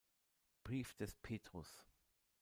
Brief des Petrus.